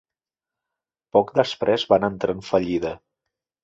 Poc després van entrar en fallida.